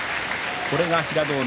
これが平戸海